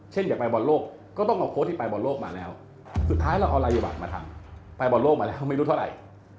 อย่าไปบอลโลกก็ต้องเอาโค้ชที่ไปบอลโลกมาแล้วสุดท้ายเราเอารายบัตรมาทำไปบอลโลกมาแล้วไม่รู้เท่าไหร่